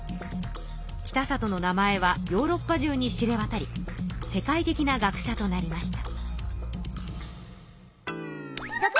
北里の名前はヨーロッパじゅうに知れわたり世界的な学者となりました。